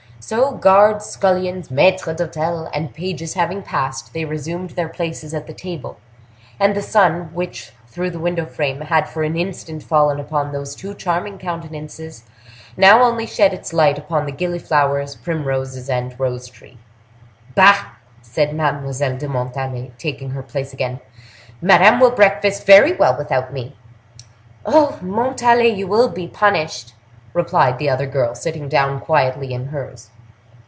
So, guards, scullions, maitres d'hotel, and pages having passed, they resumed their places at the table; and the sun, which, through the window frame, had for an instant fallen upon those two charming countenances, now only shed its light upon the gilliflowers, primroses, and rose tree. "Bah!" said Mademoiselle de Montalais, taking her place again; "Madame will breakfast very well without me!" "Oh! Montalais, you will be punished!" replied the other girl, sitting down quietly in hers.